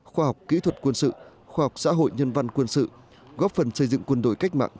khoa học kỹ thuật quân sự khoa học xã hội nhân văn quân sự góp phần xây dựng quân đội cách mạng